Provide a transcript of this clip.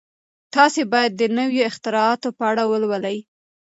تاسي باید د نویو اختراعاتو په اړه ولولئ.